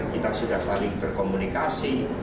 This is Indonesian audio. kita sudah saling berkomunikasi